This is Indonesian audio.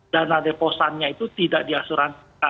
dana deposit nya itu tidak diasuransikan